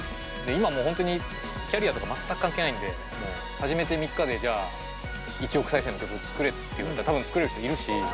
今本当にキャリアとか全く関係ないんで始めて３日で１億再生の曲作れって言われたら多分作れる人いるし。